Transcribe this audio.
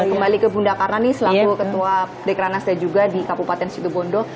kembali ke bunda karna nih selalu ketua dekranasnya juga di kabupaten situbondo